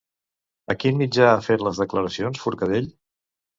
A quin mitjà ha fet les declaracions Forcadell?